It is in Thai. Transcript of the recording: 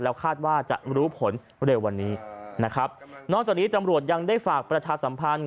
คาดว่าจะรู้ผลเร็ววันนี้นะครับนอกจากนี้ตำรวจยังได้ฝากประชาสัมพันธ์